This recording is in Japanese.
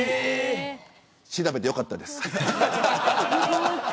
調べてよかったです。